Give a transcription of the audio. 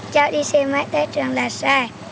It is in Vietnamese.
cho đi xe máy tới trường là sai